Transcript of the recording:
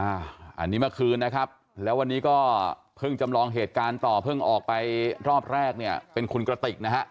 อันนี้เมื่อคืนนะครับแล้ววันนี้ก็เพิ่งจำลองเหตุการณ์ต่อเพิ่งออกไปรอบแรกเนี่ยเป็นคุณกระติกนะฮะ